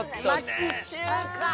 町中華！